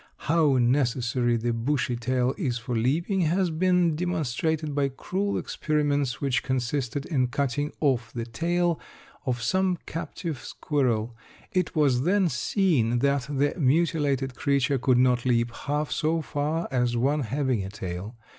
How necessary the bushy tail is for leaping has been demonstrated by cruel experiments, which consisted in cutting off the tail of some captive squirrel. It was then seen that the mutilated creature could not leap half so far as one having a tail.